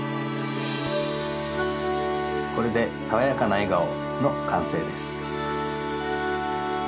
これでさわやかな笑顔のかんせいです。